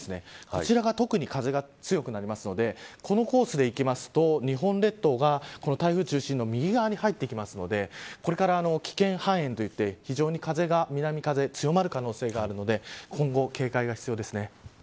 こちらが特に風が強くなるのでこのコースでいきますと日本列島が台風中心の右側に入ってくるのでこれから危険半円といって非常に南風が強まる風があるので今後、警戒が必要ですね。